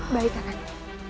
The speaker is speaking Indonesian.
baik pak kaji